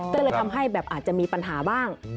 ก็เลยทำให้แบบอาจจะมีปัญหาบ้าง